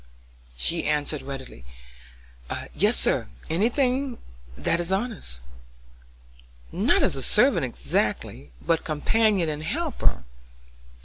She answered readily: "Yes, sir, any thing that is honest." "Not as a servant, exactly, but companion and helper.